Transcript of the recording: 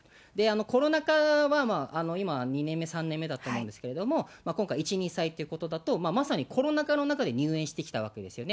コロナ禍は、今２年目、３年目だと思うんですけど、今回、１、２歳ということだと、まさにコロナ禍の中で入園してきたわけですよね。